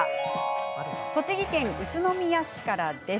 栃木県宇都宮市からです。